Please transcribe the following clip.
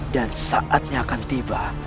dan saatnya akan tiba